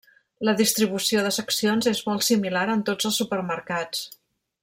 La distribució de seccions és molt similar en tots els supermercats.